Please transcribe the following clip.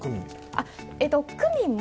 クミンは？